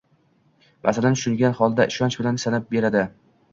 masalani tushungan holda, ishonch bilan sanab beradi.